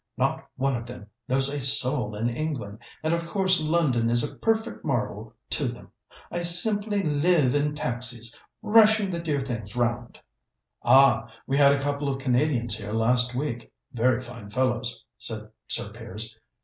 Not one of them knows a soul in England, and of course London is a perfect marvel to them. I simply live in taxis, rushing the dear things round." "Ah, we had a couple of Canadians here last week very fine fellows," said Sir Piers.